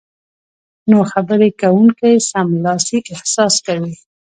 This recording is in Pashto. نو خبرې کوونکی سملاسي احساس کوي